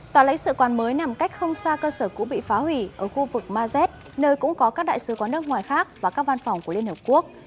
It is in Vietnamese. tòa lãnh sự quán mới nằm cách không xa cơ sở cũ bị phá hủy ở khu vực maz nơi cũng có các đại sứ quán nước ngoài khác và các văn phòng của liên hợp quốc